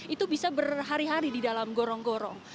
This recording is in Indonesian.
itu bisa berhari hari di dalam gorong gorong